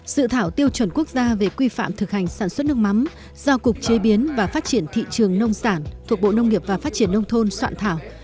sự thảo tiêu chuẩn quốc gia về quy phạm thực hành sản xuất nước mắm do cục chế biến và phát triển thị trường nông sản thuộc bộ nông nghiệp và phát triển nông thôn soạn thảo